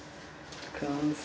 完成！